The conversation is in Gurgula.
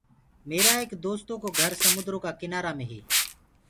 ميرآ ايڪ دوستو ڪو گھر سموندرو ڪآ ڪِنآرآ مي هي۔